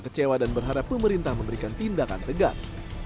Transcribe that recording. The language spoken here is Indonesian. dia tidak kecewa dan berharap pemerintah memberikan tindakan tegas